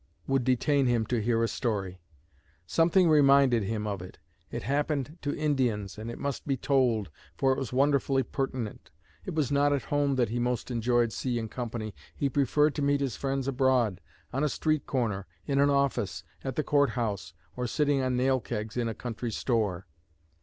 would detain him to hear a story; something reminded him of it; it happened in Indiana, and it must be told, for it was wonderfully pertinent. It was not at home that he most enjoyed seeing company. He preferred to meet his friends abroad, on a street corner, in an office, at the court house, or sitting on nail kegs in a country store."